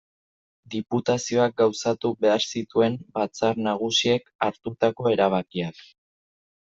Diputazioak gauzatu behar zituen Batzar Nagusiek hartutako erabakiak.